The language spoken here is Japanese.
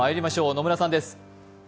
野村さんです。